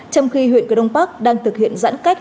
trong khi huyện cờ đông bắc đang thực hiện giãn cách